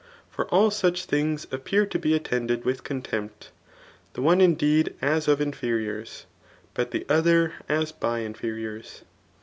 for all such things njfpeaix to be attended with contempt ; the one indeed ai of mferiours, but the other as by inferiours.